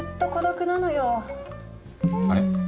あれ？